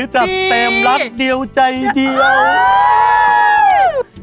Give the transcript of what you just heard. จัดเต็มรักเดียวใจเดียว